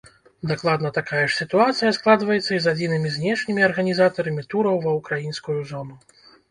Дакладна такая ж сітуацыя складваецца і з адзінымі знешнімі арганізатарамі тураў ва ўкраінскую зону.